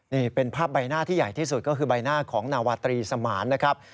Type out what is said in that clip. นี่เป็นภาพใบหน้าที่ใหญ่ที่สุดก็คือใบหน้าของนาวาตรีสมานนะครับ